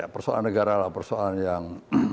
persoalan negara lah persoalan yang